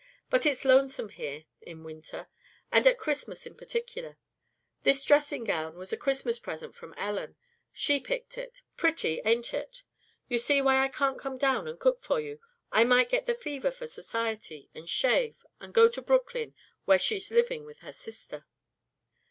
"But it's lonesome here in winter. And at Christmas in particular. This dressing gown was a Christmas present from Ellen. She picked it. Pretty, ain't it? You see why I can't come down and cook for you. I might get the fever for society, and shave, and go to Brooklyn, where she's living with her sister."